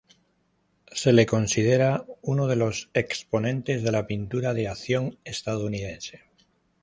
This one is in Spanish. Se le considera uno de los exponentes de la pintura de acción estadounidense.